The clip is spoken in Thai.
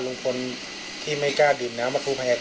ลุงพลที่ไม่กล้าดินน้ำมะทูแผง